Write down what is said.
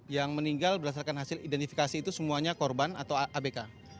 yang meninggal berdasarkan hasil identifikasi itu semuanya korban atau abk